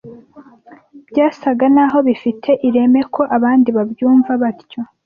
Byasaga naho bifite ireme, ko abandi babyumva batyo